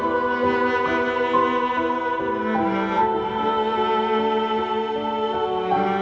lebih simpen kalau yang lain sendiri yang batas